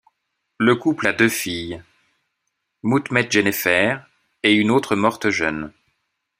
Le couple a deux filles, Moutmetjennéfer et une autre morte jeune.